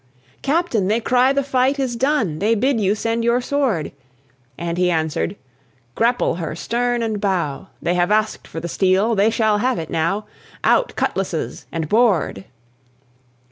"Captain, they cry the fight is done, They bid you send your sword." And he answered, "Grapple her stern and bow. They have asked for the steel. They shall have it now; Out cutlasses and board!"